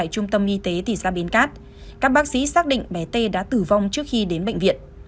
các bác sĩ xác định bé t đã tử vong trước khi đến bệnh viện